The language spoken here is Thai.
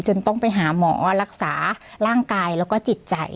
ต้องไปหาหมอรักษาร่างกายแล้วก็จิตใจ